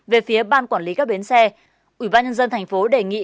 về phía ban quản lý các bến xe ủy ban nhân dân tp đề nghị